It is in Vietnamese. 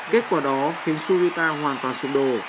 kết quả đó khiến sugita hoàn toàn xung đổ